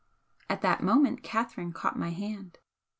At that moment Catherine caught my hand.